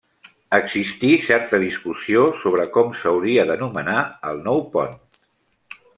Existí certa discussió sobre com s'hauria d'anomenar el nou pont.